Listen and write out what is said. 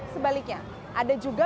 sebaliknya ada juga